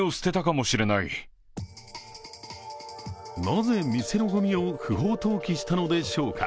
なぜ店のごみを不法投棄したのでしょうか。